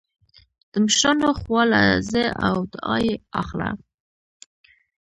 د مشرانو خوا له ځه او دعا يې اخله